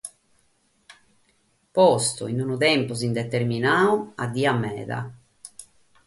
Postu in unu tempus indeterminadu, indedda meda.